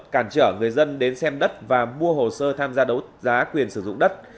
cản trở người dân đến xem đất và mua hồ sơ tham gia đấu giá quyền sử dụng đất